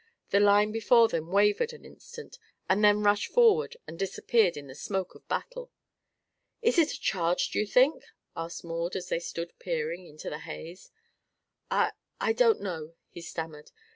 The line before them wavered an instant and then rushed forward and disappeared in the smoke of battle. "Is it a charge, do you think?" asked Maud, as they stood peering into the haze. "I I don't know," he stammered.